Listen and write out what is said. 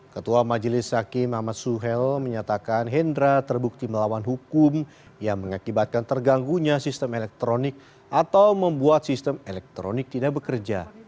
ketua majelis hakim ahmad suhel menyatakan hendra terbukti melawan hukum yang mengakibatkan terganggunya sistem elektronik atau membuat sistem elektronik tidak bekerja